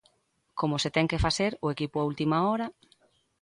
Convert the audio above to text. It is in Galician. Como se ten que facer o equipo a última hora...